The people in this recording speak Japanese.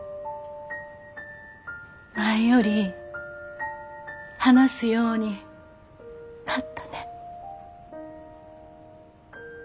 前より話すようになったね。